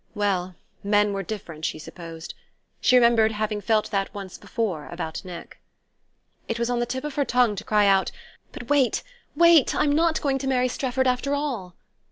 Well, men were different, she supposed; she remembered having felt that once before about Nick. It was on the tip of her tongue to cry out: "But wait wait! I'm not going to marry Strefford after all!"